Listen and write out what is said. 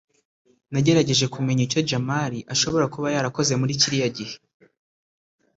nagerageje kumenya icyo jamali ashobora kuba yarakoze muri kiriya gihe